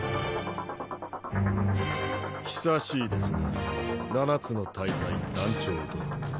久しいですな七つの大罪団長殿。